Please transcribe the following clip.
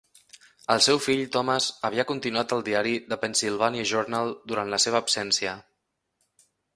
El seu fill Thomas havia continuat el diari "The Pennsylvania Journal" durant la seva absència.